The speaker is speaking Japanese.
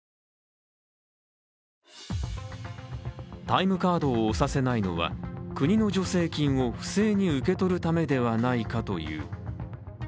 タイムカードを押させないのは国の助成金を不正に受け取るためではないかという。